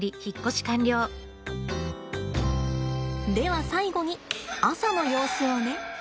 では最後に朝の様子をね。